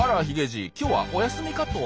じい今日はお休みかと。